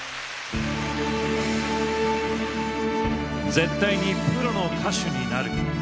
「絶対にプロの歌手になる」。